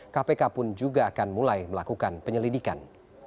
kpk pun juga akan mulai melakukan penyelidikan